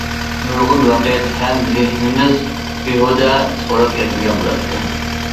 نۇرغۇن ۋاقىت ھەم زېھنىمىز بىھۇدە خوراپ كەتمىگەن بولاتتى.